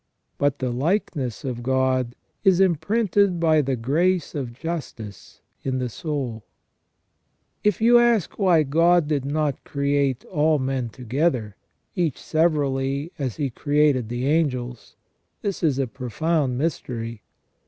But the likeness of God is im printed by the grace of justice in the souL If you ask why God did not create all men together, each severally, as He created the angels ? this is a profound mystery.